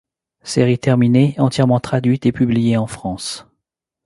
Série terminée, entièrement traduite et publiée en France.